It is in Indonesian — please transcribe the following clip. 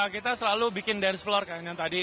kita selalu bikin dance floor kan yang tadi